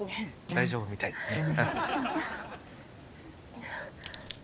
大丈夫みたいですね。